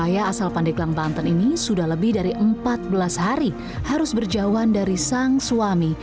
ayah asal pandeglang banten ini sudah lebih dari empat belas hari harus berjauhan dari sang suami